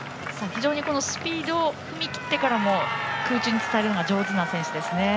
スピード踏み切ってからも空中に伝えるのが上手な選手です。